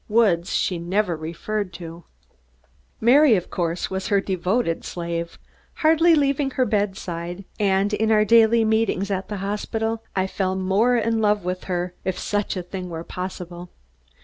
Woods she never referred to. Mary, of course, was her devoted slave, hardly leaving her bedside, and in our daily meetings at the hospital, I fell more and more in love with her, if such a thing were possible.